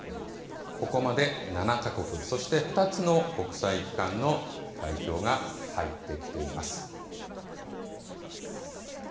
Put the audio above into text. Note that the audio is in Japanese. ここまで７か国、そして２つの国際機関の代表が入ってきています。